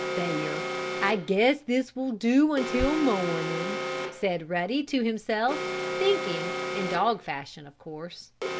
"There, I guess this will do until morning," said Ruddy to himself, thinking in dog fashion, of course.